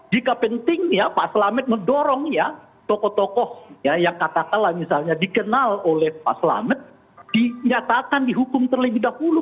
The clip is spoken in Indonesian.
jika penting ya pak selamet mendorong ya tokoh tokoh ya yang kata kata lah misalnya dikenal oleh pak selamet dinyatakan dihukum terlebih dahulu